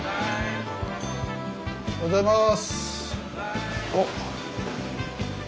おはようございます。